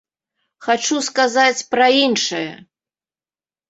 Хачу сказаць пра іншае.